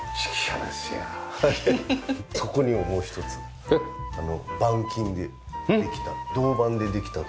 そこにももう一つ板金でできた銅板でできたツルなんです。